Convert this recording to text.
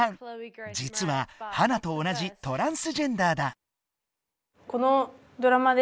じつはハナと同じトランスジェンダーだ。